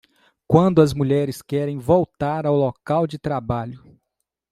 Quando as mulheres querem voltar ao local de trabalho